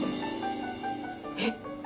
えっ